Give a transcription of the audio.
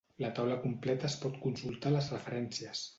La taula completa es pot consultar a les referències.